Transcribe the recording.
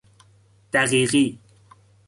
دقیقی